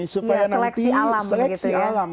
seleksi alam seleksi alam